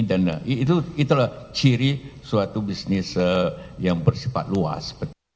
dan itulah ciri suatu bisnis yang bersifat luas